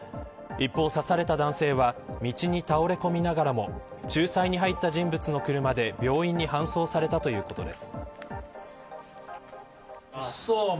一方刺された男性は道に倒れ込みながらも仲裁に入った人物の車で病院に搬送されたということです。